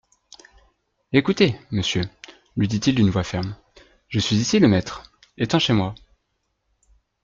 Écoutez, monsieur, lui dit-il d'une voix ferme, je suis ici le maître, étant chez moi.